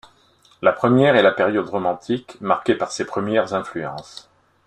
La première est la période romantique, marquée par ses premières influences.